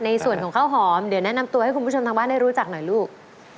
ในส่วนของข้าวหอมเดี๋ยวแนะนำตัวให้คุณผู้ชมทางบ้านได้รู้จักหน่อยลูก